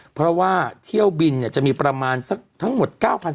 เพราะว่าเที่ยวบินจะมีประมาณสักทั้งหมด๙๐